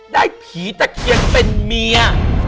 ได้ผีตะเคียนเป็นเมีย